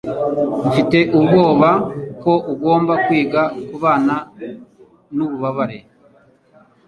Mfite ubwoba ko ugomba kwiga kubana nububabare.